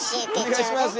お願いします